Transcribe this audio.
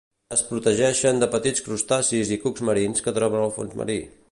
Es protegeixen de petits crustacis i cucs marins que troben al fons marí.